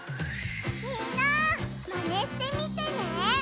みんなマネしてみてね！